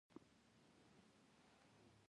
چې لومړۍ خور رانوې شي؛ کابل ته به ولاړ شو.